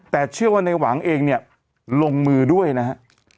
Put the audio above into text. แต่เชื่อว่าในหวังเองเนี่ยลงมือด้วยนะฮะ